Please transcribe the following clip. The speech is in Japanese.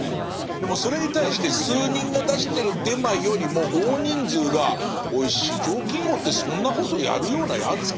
でもそれに対して数人が出してるデマよりも大人数が「おい四条金吾ってそんなことやるようなやつか？」